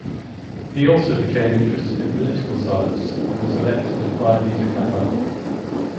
He also became interested in political science, and was elected to Phi Beta Kappa.